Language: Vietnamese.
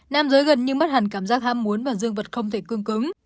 nam giới gần như mất hẳn cảm giác ham muốn và dương vật không thể cương cứng